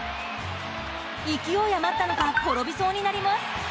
勢い余ったのか転びそうになります。